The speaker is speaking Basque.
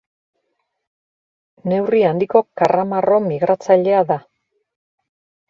Neurri handiko karramarro migratzailea da.